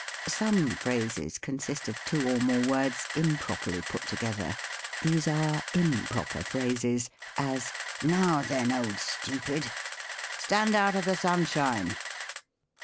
Some phrases consist of two or more words improp erly put together : these are improper phrases : as, " Now then, old stupid !"" Stand out of the sunshine